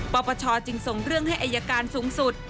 ปปชจึงส่งเรื่องให้อายการสูงสุด